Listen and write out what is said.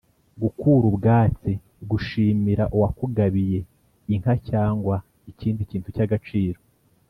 gukura ubwatsi: gushimira uwakugabiye (inka cyangwa ikindi kintu cy’agaciro)